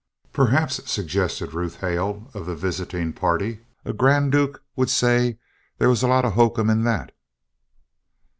'" "Perhaps," suggested Ruth Hale of the visiting party, "a grand duke would say there was a lot of hokum in that."